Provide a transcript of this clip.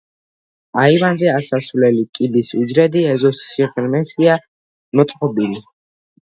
აივანზე ასასვლელი კიბის უჯრედი ეზოს სიღრმეშია მოწყობილი.